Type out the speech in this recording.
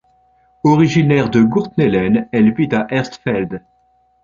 Originaire de Gurtnellen, elle vit à Erstfeld.